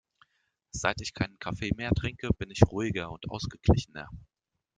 Seit ich keinen Kaffee mehr trinke, bin ich ruhiger und ausgeglichener.